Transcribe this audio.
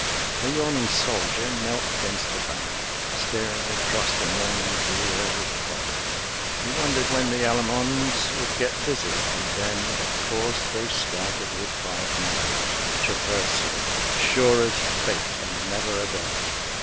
A yawning soldier knelt against the bank, Staring across the morning blear with fog; He wondered when the Allemands would get busy; And then, of course, they start'd with five nines Traversing, sure as fate, and never a dud.